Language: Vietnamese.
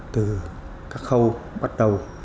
từ các khâu bắt đầu